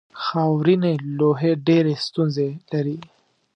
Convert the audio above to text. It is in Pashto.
خاورینې لوحې ډېرې ستونزې لري.